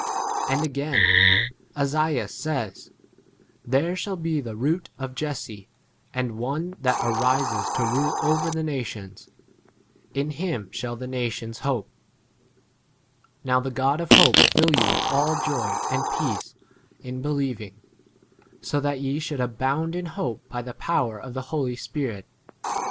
12 And again, Esaias says, There shall be the root of Jesse, and one that arises to rule over [the] nations : in him shall [the] nations hope. 18 Now the God of hope fill you with all joy and peace in believing, so that ye should abound in hope by [the] power of [the] Holy Spirit.